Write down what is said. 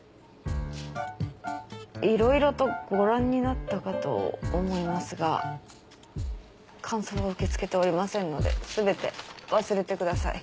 色々とご覧になったかと思いますが感想は受け付けておりませんので全て忘れてください。